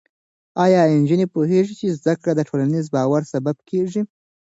ایا نجونې پوهېږي چې زده کړه د ټولنیز باور سبب کېږي؟